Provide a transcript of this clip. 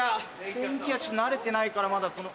電器屋ちょっと慣れてないからまだこの。